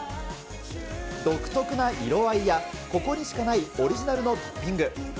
独特な色合いやここにしかないオリジナルのトッピング。